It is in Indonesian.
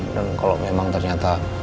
dan kalo memang ternyata